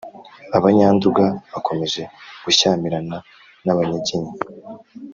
- abanyanduga bakomeje gushyamirana n'abanyiginya.